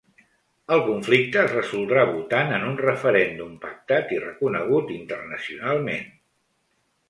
El conflicte es resoldrà votant en un referèndum pactat i reconegut internacionalment.